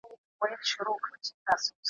چي هر چا د سرو او سپینو پیمانې دي درلودلي ,